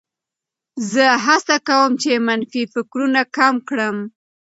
زه هڅه کوم چې منفي فکرونه کم کړم.